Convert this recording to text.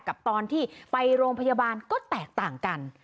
กับตอนที่ไปโรงพยาบาลก็แตกต่างกัน